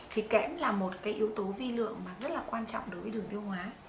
thì kẽm là một cái yếu tố vi lượng mà rất là quan trọng đối với đường tiêu hóa